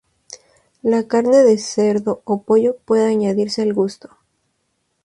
La carne de cerdo o pollo puede añadirse al gusto.